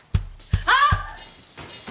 あっ！！